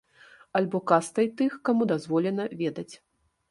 Альбо кастай тых, каму дазволена ведаць.